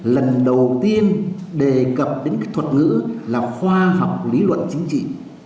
lần đầu tiên đề cập đến cái thuật ngữ là khoa học lý luận chính trị